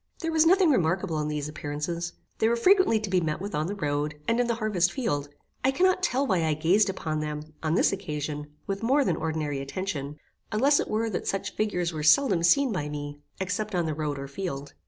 There was nothing remarkable in these appearances; they were frequently to be met with on the road, and in the harvest field. I cannot tell why I gazed upon them, on this occasion, with more than ordinary attention, unless it were that such figures were seldom seen by me, except on the road or field.